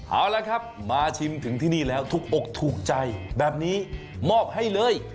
เอาละครับมาชิมถึงที่นี่แล้วถูกอกถูกใจแบบนี้มอบให้เลย